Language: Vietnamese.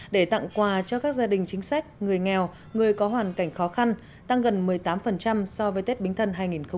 để tặng quà cho các gia đình chính sách người nghèo người có hoàn cảnh khó khăn tăng gần một mươi tám so với tết bính thân hai nghìn một mươi chín